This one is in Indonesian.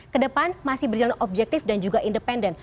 ke depan masih berjalan objektif dan juga independen